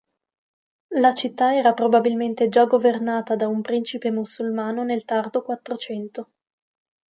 La città era probabilmente già governata da un principe musulmano del tardo Quattrocento.